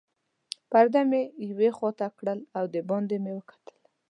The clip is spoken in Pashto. پرده مې یوې خواته کړل او دباندې مې وکتل.